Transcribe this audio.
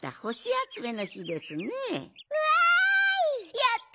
やった！